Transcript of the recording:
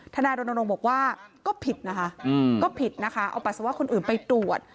ท่านายรณรงค์บอกว่าก็ผิดนะคะเอาปัสสาวะคนอื่นไปตรวจ